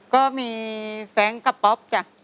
ก็มีแฟรงค์กับป๊อปจ้ะ